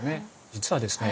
実はですね